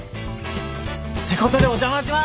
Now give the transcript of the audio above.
てことでお邪魔します！